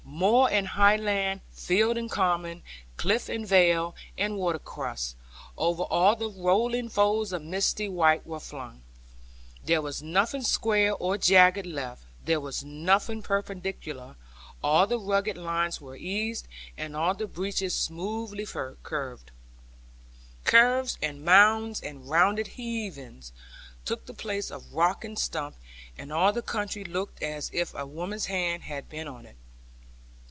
Moor and highland, field and common, cliff and vale, and watercourse, over all the rolling folds of misty white were flung. There was nothing square or jagged left, there was nothing perpendicular; all the rugged lines were eased, and all the breaches smoothly filled. Curves, and mounds, and rounded heavings, took the place of rock and stump; and all the country looked as if a woman's hand had been on it.